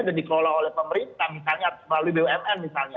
dan dikelola oleh pemerintah misalnya melalui bumn misalnya